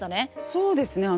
そうですね。